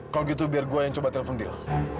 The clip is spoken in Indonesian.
kalau gitu biar gue yang coba telepon dia